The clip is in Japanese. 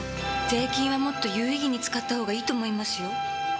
税金はもっと有意義に使ったほうがいいと思いますよ。